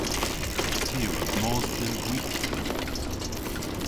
Ty a wrug mos dhe'n gwithti.